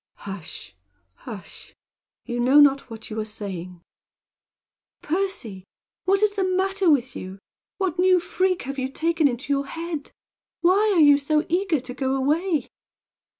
"Hush, hush! You know not what you are saying." "Percy! What is the matter with you? What new freak have you taken into your head? Why are you so eager to go away?"